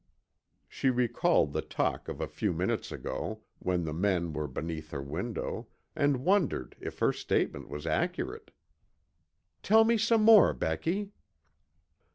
She recalled the talk of a few minutes ago, when the men were beneath her window, and wondered if her statement was accurate. "Tell me some more, Becky."